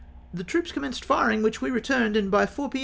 The troops commenced firing, which w^e re turned, and by 4 p.